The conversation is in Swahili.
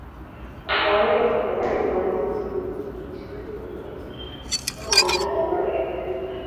Kwa kawaida hufanyika Jumamosi usiku mwishoni mwa Machi au mwanzoni mwa Aprili.